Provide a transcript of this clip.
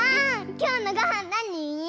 きょうのごはんなに？